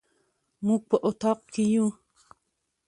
موږ په اطاق کي يو